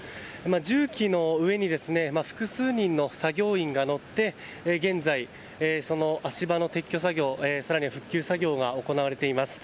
重機の上に複数人の作業員が乗って現在、足場の撤去作業更に復旧作業が行われています。